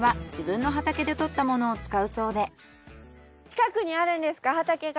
近くにあるんですか畑が？